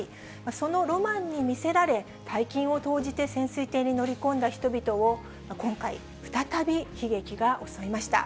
そのロマンに魅せられ、大金を投じて潜水艇に乗り込んだ人々を、今回、再び悲劇が襲いました。